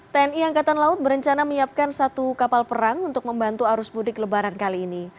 tni angkatan laut berencana menyiapkan satu kapal perang untuk membantu arus mudik lebaran kali ini